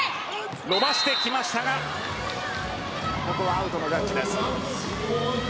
伸ばしてきましたがアウトのジャッジです。